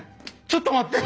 ちょっと待って。